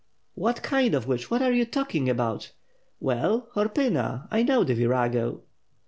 "What kind of witch?" What are you talking about?" "Well, Horpyna. I know the virago."